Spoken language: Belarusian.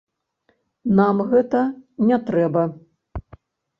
Нам гэта не трэба.